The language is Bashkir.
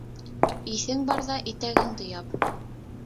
Иҫең барҙа итәгеңде яп.